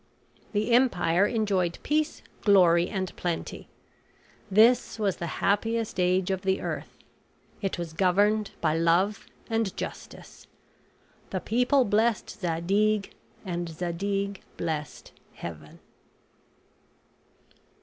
The empire enjoyed peace, glory, and plenty. This was the happiest age of the earth; it was governed by love and justice. The people blessed Zadig, and Zadig blessed Heaven.